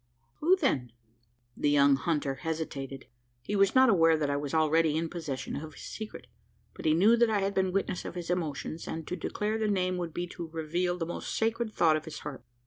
"Who then?" The young hunter hesitated: he was not aware that I was already in possession of his secret; but he knew that I had been witness of his emotions, and to declare the name would be to reveal the most sacred thought of his heart.